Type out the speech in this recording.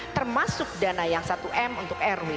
termasuk dana yang satu m untuk rw